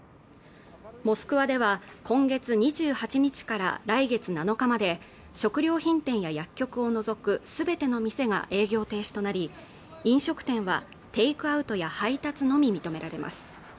モスクワでは今月２８日から来月７日まで食料品店や薬局を除くすべての店が営業停止となり飲食店はテイクアウトや配達のみ認められます